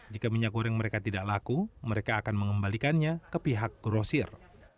jika minyak goreng mereka tidak laku mereka akan mengembalikannya ke pihak grosir